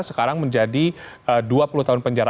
sekarang menjadi dua puluh tahun penjara